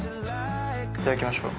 いただきましょう。